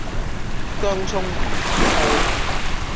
薑蔥魚腩煲